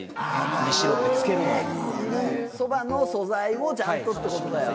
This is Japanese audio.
そばの素材をちゃんとってことだよね。